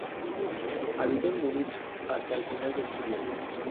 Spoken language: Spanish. Habitó en Múnich hasta el final de sus días.